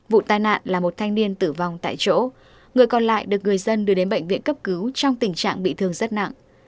vụ tai nạn là một thanh niên tử vong tại chỗ người còn lại được người dân đưa đến bệnh viện cấp cứu trong tình trạng bị thương rất nặng